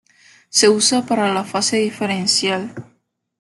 Se usa para la fase diferencial.